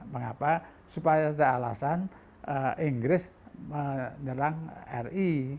mengapa supaya ada alasan inggris menyerang ri